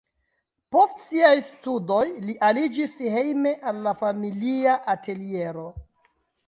Post siaj studoj li aliĝis hejme al la familia ateliero.